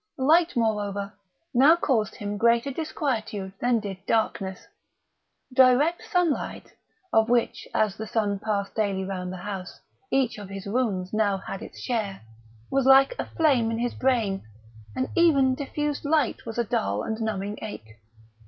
Light, moreover, now caused him greater disquietude than did darkness. Direct sunlight, of which, as the sun passed daily round the house, each of his rooms had now its share, was like a flame in his brain; and even diffused light was a dull and numbing ache.